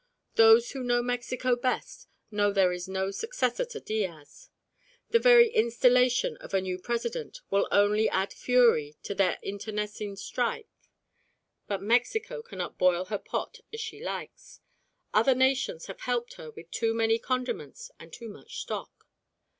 Those who know Mexico best know there is no successor to Diaz. The very installation of a new President will only add fury to the internecine strife. But Mexico cannot boil her pot as she likes. Other nations have helped her with too many condiments and too much stock.